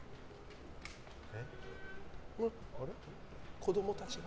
子供たちが。